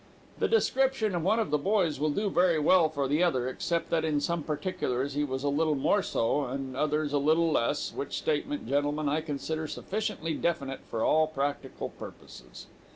The description of one of the boys will do very well for the other, except that in some particulars he was a little more so, and in others a little less, which statement, gentlemen, I consider sufficiently definite for all practical purposes.